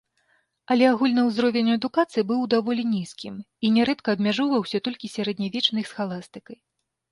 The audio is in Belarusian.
Але агульны ўзровень адукацыі быў даволі нізкім і нярэдка абмяжоўваўся толькі сярэднявечнай схаластыкай.